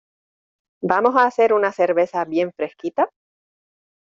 ¿Vamos a hacer una cerveza bien fresquita?